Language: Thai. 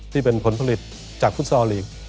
ที่เป็นผลผลิตจากฟุตซอลลีก